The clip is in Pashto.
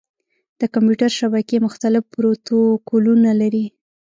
د کمپیوټر شبکې مختلف پروتوکولونه لري.